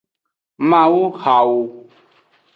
Mawuhawo.